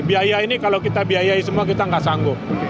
biaya ini kalau kita biayai semua kita nggak sanggup